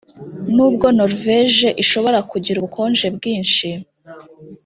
nubwo noruveje ishobora kugira ubukonje bwinshi